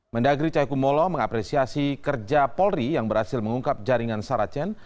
mendagri cahaya kumolo mengapresiasi kerja polri yang berhasil mengungkap jaringan saracen